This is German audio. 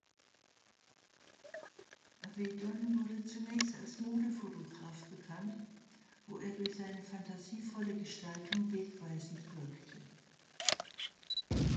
Avedon wurde zunächst als Modefotograf bekannt, wo er durch seine fantasievolle Gestaltung wegweisend wirkte.